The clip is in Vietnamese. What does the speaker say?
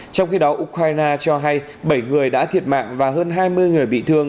trong khi đó ukraine cho hay bảy người đã thiệt mạng và hơn hai mươi người bị thương